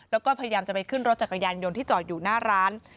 แล้วก็พยายามจะไปขึ้นรถจักรยานยนต์ที่จอดอยู่หน้าร้าน